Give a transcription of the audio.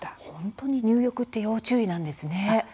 本当に入浴は要注意なんですね。